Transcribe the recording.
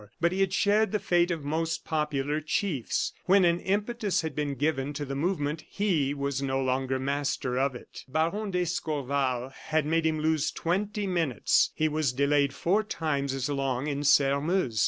But he had shared the fate of most popular chiefs. When an impetus had been given to the movement he was no longer master of it. Baron d'Escorval had made him lose twenty minutes; he was delayed four times as long in Sairmeuse.